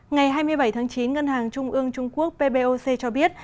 ngày hai mươi bảy tháng chín ngân hàng trung ương trung quốc pboc cho biết